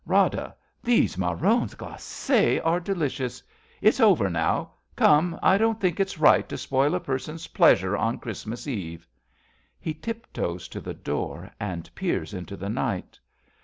Rada, these marrons glaces are delicious. It's over now ! Come, I don't think it's right To spoil a person's pleasure on Christ mas Eve. (He tiptoes to the door and peers into the night.)